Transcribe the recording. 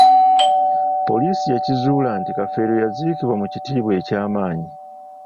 Poliisi yakizuula nti Kafeero yaziikibwa mu kitiibwa eky'amaanyi.